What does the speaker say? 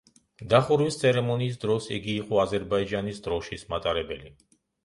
დახურვის ცერემონიის დროს იგი იყო აზერბაიჯანის დროშის მატარებელი.